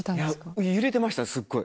揺れてましたすっごい。